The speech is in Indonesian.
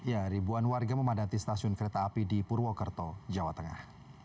ya ribuan warga memadati stasiun kereta api di purwokerto jawa tengah